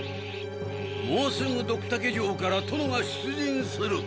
もうすぐドクタケ城から殿が出陣する！